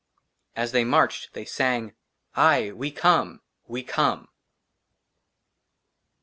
AS THEY MARCHED, THEY SANG, " AYE ! WE COME ! WE COME